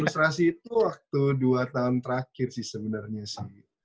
frustasi itu waktu dua tahun terakhir sih sebenernya sih